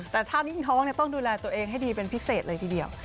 แต่ถ้านิ่งท้องต้องดูแลตัวเองให้ดีเป็นพิเศษเลยทีเดียว